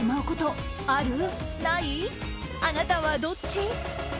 あなたはどっち？